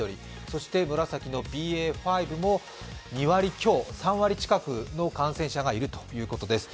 そして紫のＢＡ．５も２割強３割近くの感染者がいるということです。